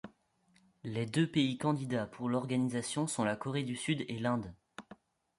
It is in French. Les deux pays candidats pour l'organisation sont la Corée du Sud et l'Inde.